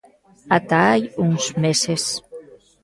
Ata hai uns meses.